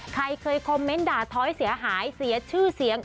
ใครเคยคอมเมนต์ด่าท้อยเสียหายเสียชื่อเสียง